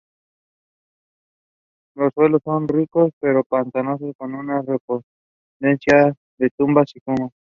Los suelos son ricos, pero pantanosos con una preponderancia de turba y humus.